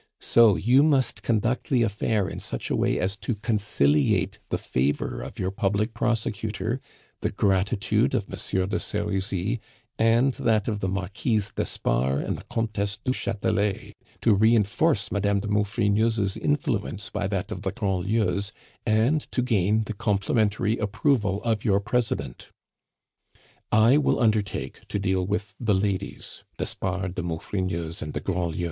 So you must conduct the affair in such a way as to conciliate the favor of your public prosecutor, the gratitude of Monsieur de Serizy, and that of the Marquise d'Espard and the Comtesse du Chatelet, to reinforce Madame de Maufrigneuse's influence by that of the Grandlieus, and to gain the complimentary approval of your President. "I will undertake to deal with the ladies d'Espard, de Maufrigneuse, and de Grandlieu.